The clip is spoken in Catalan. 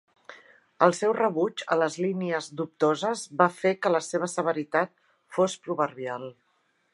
El seu rebuig a les línies dubtoses va fer que la seva severitat fos proverbial.